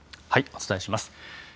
お伝えします。